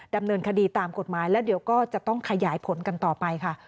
ดำเนินคดีตามกฎหมายแล้วเดี๋ยวก็จะต้องขยายผลกันต่อไปค่ะ